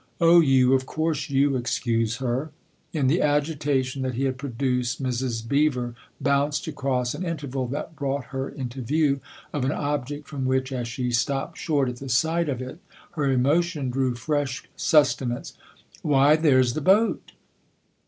" Oh, you of course you excuse her !" In the agitation that he had produced Mrs. Beever bounced across an interval that brought her into view of an object from which, as she stopped short at the sight of it, her emotion drew fresh sustenance. " Why, there's the boat